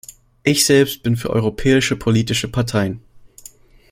Ich selbst bin für europäische politische Parteien.